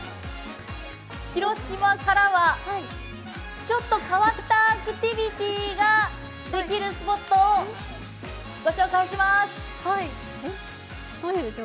広島からはちょっと変わったアクティビティーができるスポットをご紹介します。